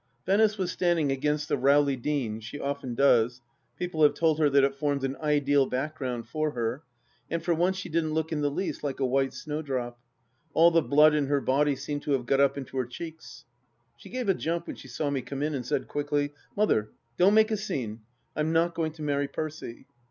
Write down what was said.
Venice was standing against the Rowley Deane — she often does ; people have told her that it forms an ideal back ground for her — and for once she didn't look in the least like a white snowdrop. All the blood in her body seemed to have got up into her cheeks. She gave a jump when she saw me come in and said, quickly :" Mother, don't make a scene. I'm not going to marry Percy."